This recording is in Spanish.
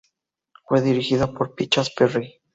Fue dirigida por Pinchas Perry.